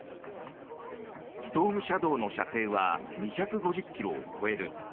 ストームシャドーの射程は２５０ｋｍを超える。